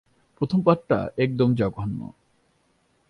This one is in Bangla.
প্রথম পার্টটা একদম জঘন্য।